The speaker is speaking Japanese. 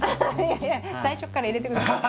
いやいや最初から入れてください。